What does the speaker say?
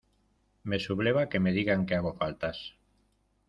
Me subleva que me digan que hago faltas.